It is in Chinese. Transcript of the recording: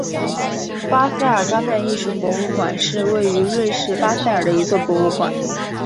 巴塞尔当代艺术博物馆是位于瑞士巴塞尔的一座博物馆。